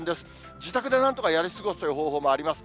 自宅でなんとかやり過ごすという方法もあります。